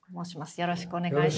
よろしくお願いします。